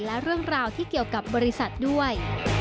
และเรื่องราวที่เกี่ยวกับบริษัทด้วย